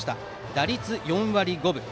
打率４割５分。